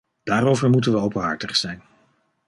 Daarover moeten we openhartig zijn.